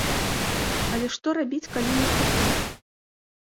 Але што рабіць, калі не хапае?